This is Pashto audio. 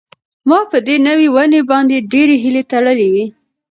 ما په دې نوې ونې باندې ډېرې هیلې تړلې وې.